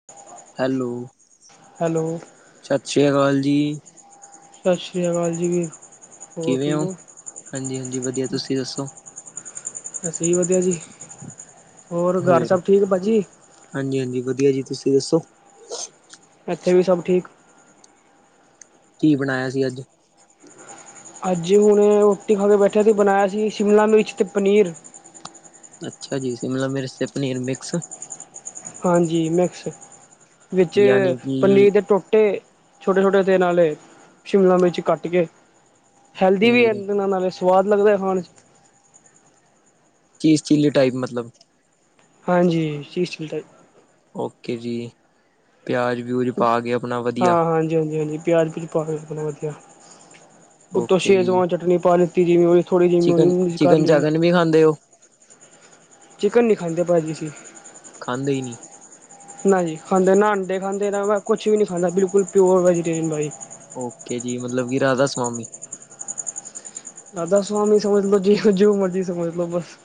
[unintelligible] Hello. Hello. ਸਤਿ ਸ਼੍ਰੀ ਅਕਾਲ ਜੀ। ਸਤਿ ਸ੍ਰੀ ਅਕਾਲ ਜੀ। ਵੀਰ ਹੋਰ ਕਿਵੇਂ ਠੀਕ ਹੋ ਹਾਂਜੀ-ਹਾਂਜੀ ਵਧੀਆ ਤੁਸੀਂ ਦੱਸੋ? ਅਸੀਂ ਵੀ ਵਧੀਆ ਜੀ। ਹੋਰ ਘਰ ਸਭ ਠੀਕ ਭਾਜੀ। ਹਾਂਜੀ-ਹਾਂਜੀ ਵਧੀਆ ਜੀ ਤੁਸੀਂ ਦੱਸੋ? ਇੱਥੇ ਵੀ ਸਭ ਠੀਕ। ਕੀ ਬਣਾਇਆ ਸੀ ਅੱਜ। ਅੱਜ ਹੁਣੇ ਰੋਟੀ ਖਾ ਕੇ ਬੈਠਿਆ ਸੀ। ਬਣਾਇਆ ਸੀ ਸ਼ਿਮਲਾ ਮਿਰਚ ਤੇ ਪਨੀਰ। ਅੱਛਾ ਜੀ, ਸ਼ਿਮਲਾ ਮਿਰਚ ਤੇ ਪਨੀਰ ਮਿਕਸ। ਹਾਂਜੀ ਮਿਕਸ, ਵਿੱਚ ਯਾਨੀ ਕਿ ਪਨੀਰ ਦੇ ਟੋਟੇ। ਛੋਟੇ- ਛੋਟੇ ਤੇ ਨਾਲੇ। ਸ਼ਿਮਲਾ ਮਿਰਚ ਕੱਟ ਕੇ ਹੈਲਦੀ ਵੀ ਹਾਂਜੀ ਇਹਨਾਂ ਨਾਲੇ ਸਵਾਦ ਲਗਦਾ ਖਾਣ ਵਿਚ। ਚੀਜ਼ ਚੀਲੀ ਟਾਈਪ ਮਤਲਬ। ਹਾਂਜੀ ਚੀਜ ਚੀਲੀ ਟਾਈਪ। ਓਕੇ ਜੀ ਪਿਆਜ। ਵਿਊਜ ਪਾ ਕੇ ਆਪਣਾ ਵਧੀਆ ਹਾਂ ਹਾਂਜੀ-ਹਾਂਜੀ, ਹਾਂਜੀ ਪਿਆਜ ਹਾਹਾ ਵਧੀਆ ਉੱਤੋ ਓਕੇ ਜੀ ਛੇਂਗਵਾਨ ਚਟਨੀ ਪਾ ਲਈ। ਚਿਕਨ [unintelligible] ਕਰ ਚਿਕਨ ਲੈਣੀ ਚਾਕਨ ਵੀ ਖਾਂਦੇ ਹੋ ਚਿਕਨ ਨੀ ਖਾਂਦੇ ਭਾਜੀ ਅਸੀ। ਖਾਂਦੇ ਹੀ ਨੀ ਨਾ ਜੀ ਖਾਂਦੇ ਨਾ ਅਡੇ ਖਾਂਦੇ ਨਾ ਮ ਕੁਛ ਵੀ ਨੀ ਖਾਂਦਾ ਬਿਲਕੁਲ ਪਿਓਰ ਵੈਜੀੇਟੇਰੀਅਨ ਬਾਈ ਓਕੇ ਜੀ ਮਤਲਬ ਕਿ ਰਾਧਾ ਸਵਾਮੀ ਰਾਧਾ ਸਵਾਮੀ ਸਮਝ ਲੋ ਜੀ ਜੋ ਮਰਜੀ ਸਮਝ ਲੋ ਬੱਸ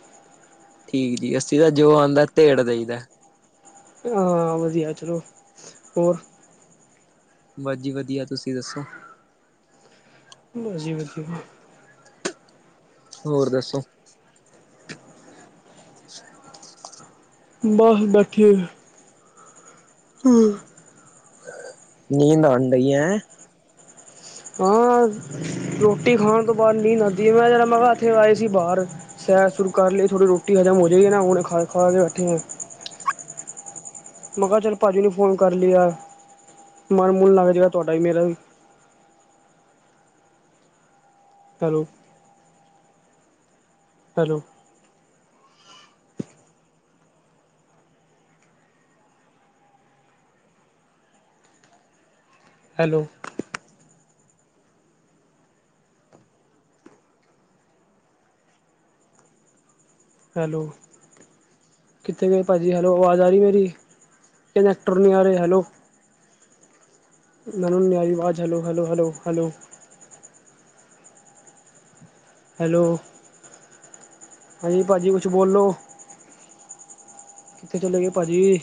ਠੀਕ, ਠੀਕ ਅੱਸੀ ਤਾਂ ਜੋ ਆਉਂਦਾ ਧੇੜ ਦੇਈਦਾ। ਹਾਂ ਵਧੀਆ ਚਲੋ ਹੋਰ ਬ ਜੀ ਵਧੀਆ ਤੁਸੀਂ ਦੱਸੋ? ਜੀ ਵਧੀਆ ਹੋਰ ਦੱਸੋ? ਬਸ ਜੀ ਬੈਠੀ ਹੋਈ ਹੂੰ ਨੀਂਦ ਆਣ ਡਈ ਐ ਹੈਂ ਹਾਂ ਰੋਟੀ ਖਾਣ ਤੋਂ ਬਾਅਦ ਨੀਂਦ ਆਂਦੀ ਮੈਂ ਜਰਾ ਮੈਂ ਕਿਹਾ ਇੱਥੇ ਆਏ ਸੀ ਬਾਹਰ ਸੈਰ ਸੂਰ ਕਰ ਲਈ ਥੋੜੀ ਰੋਟੀ ਹਜ਼ਮ ਹੋ ਜੇਗੀ ਨਾ ਹੁਣੇ ਖਾ ਖਾ ਕੇ ਹਟੀ ਆ। ਮੈਂ ਕਿਹਾ ਚੱਲ ਭਾਜੀ ਨੂੰ ਫੋਨ ਕਰ ਲਿਆ ਮਨ ਮੁੱਨ ਲੱਗ ਜਾਏ ਤੁਹਾਡਾ ਹੀ ਮੇਰਾ ਵੀ ਹੇਲੋ ਹੈਲੋ ਹੈਲੋ ਹੈਲੋ ਕਿੱਥੇ ਗਏ ਭਾਅ ਜੀ ਹੈਲੋ ਆਵਾਜ਼ ਆ ਰਹੀ ਮੇਰੀ ਕਨੈਕਟਰ ਨਹੀਂ ਆ ਰਹੇ ਹੈਲੋ। ਮੈਨੂ ਨਹੀ ਆਈ ਆਵਾਜ਼ hello, hello, hello, hello hello ਹਾਂਜੀ ਭਾਅ ਜੀ ਕੁਛ ਬੋਲੋ ਕਿੱਥੇ ਚਲੇ ਗਏ ਭਾਜੀ